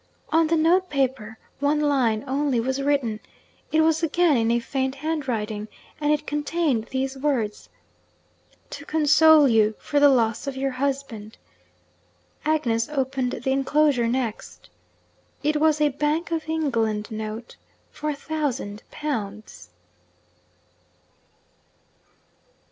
On the note paper, one line only was written. It was again in a feigned handwriting, and it contained these words: 'To console you for the loss of your husband' Agnes opened the enclosure next. It was a Bank of England note for a thousand pounds.